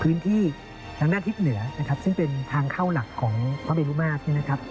พื้นที่ทางด้านทิศเหนือนะครับซึ่งเป็นทางเข้าหลักของพระเมรุมาตรเนี่ยนะครับ